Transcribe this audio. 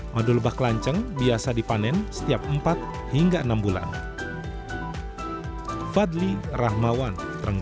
madu lebah kelanceng biasa dipanen setiap empat hingga enam bulan